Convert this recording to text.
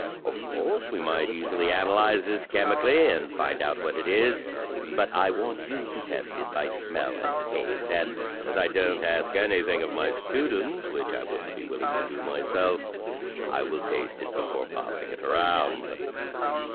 Of course, we might easily analyze this chemically, and find out what it is. But I want you to test it by smell and taste; and, as I don't ask anything of my students which I wouldn't be willing to do myself, I will taste it before passing it round."